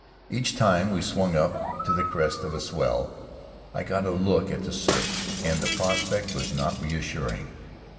Each time we swung up to the crest of a swell I got a look at the surf, and the prospect was not reassuring.